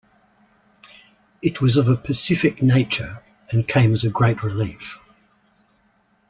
It was of a pacific nature, and came as a great relief.